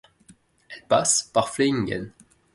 Elle passe par Flehingen.